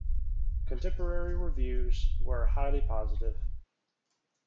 Contemporary reviews were highly positive.